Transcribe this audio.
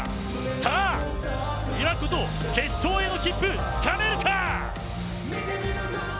さあ今こそ決勝への切符つかめるか。